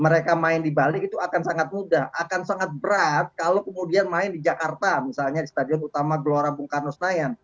mereka main di bali itu akan sangat mudah akan sangat berat kalau kemudian main di jakarta misalnya di stadion utama gelora bung karno senayan